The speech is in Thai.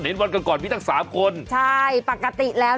วันก่อนก่อนมีตั้งสามคนใช่ปกติแล้ว